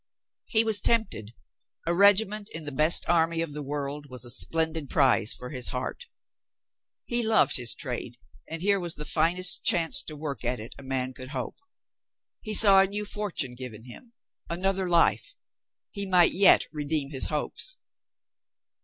He was tempted. A regiment In the best army of the world was a splendid prize for his heart. He loved his trade and here was the finest chance to work at it a man could hope. He saw a new fortune given him, another life. He might yet re deem his hopes.